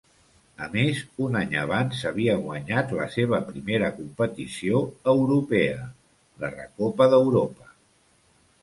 A més, un any abans havia guanyat la seva primera competició europea, la Recopa d'Europa.